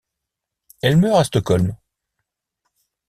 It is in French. Elle meurt à Stockholm.